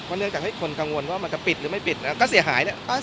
เนื่องจากให้คนกังวลว่ามันจะปิดหรือไม่ปิดแล้วก็เสียหายเนี่ย